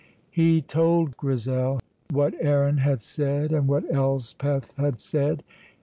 He told Grizel what Aaron had said and what Elspeth had said.